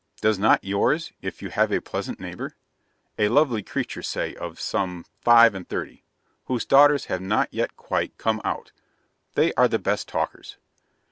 Does not yours, if you have a pleasant neighbour? a lovely creature, say, of some five and thirty, whose daughters have not yet quite come out they are the best talkers.